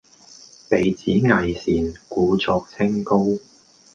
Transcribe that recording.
被指偽善，故作清高